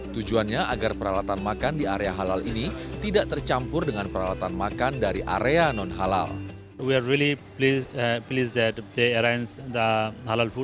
tujuannya agar peralatan makan di area halal ini tidak tercampur dengan peralatan makan dari area non halal